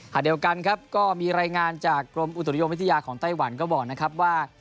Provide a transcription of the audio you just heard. เดียวกันครับก็มีรายงานจากกรมอุตุนิยมวิทยาของไต้หวันก็บอกนะครับว่า